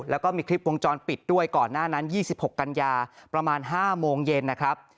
แล้วก็มีคลิปวงจรปิดด้วยก่อนหน้านั้น๒๖กันยาประมาณ๕โมงเย็นนะครับ